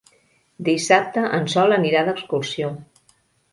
Dissabte en Sol anirà d'excursió.